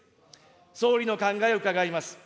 総理の考えを伺います。